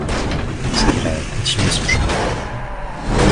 C’est qu’elle a continué son chemin.